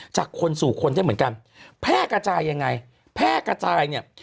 จากคนสู่คนได้เหมือนกันแพร่กระจายยังไงแพร่กระจายเนี่ย